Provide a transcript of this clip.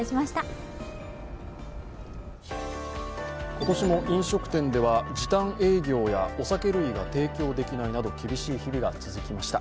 今年も飲食店では時短営業やお酒類が提供できないなど厳しい日々が続きました。